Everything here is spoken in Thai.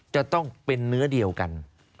จะต้องเป็นเนื้อเดียวกัน